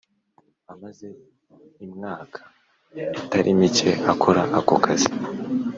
amaze imwaka itarimike akora ako kazi